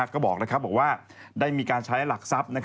ก็บอกว่าได้มีการใช้หลักทรัพย์